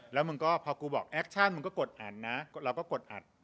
แล้วมึงก็พอกูบอกแอคชั่นมึงก็กดอันนะเราก็กดอัด